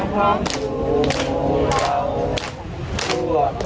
บ้านเมื่องเราดูเรียงความดูเรา